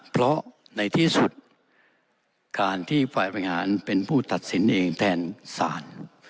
เพราะในที่สุดการที่ฝ่ายบริหารเป็นผู้ตัดสินเองแทนศาล